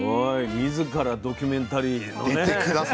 自らドキュメンタリーのね。